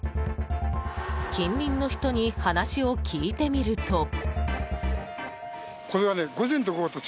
近隣の人に話を聞いてみると。